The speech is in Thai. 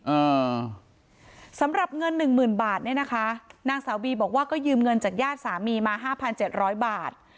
อ่าสำหรับเงินหนึ่งหมื่นบาทเนี่ยนะคะนางสาวบีบอกว่าก็ยืมเงินจากญาติสามีมาห้าพันเจ็ดร้อยบาท